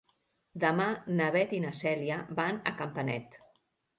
Demà na Beth i na Cèlia van a Campanet.